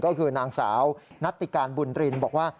ก็คือนางสาวนัตติการบุญรินบอกว่า